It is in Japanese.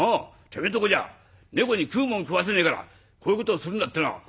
てめえんとこじゃ猫に食うもん食わせねえからこういうことをするんだってな